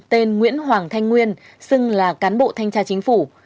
tên nguyễn hoàng thanh nguyên xưng là cán bộ thanh tra chính phủ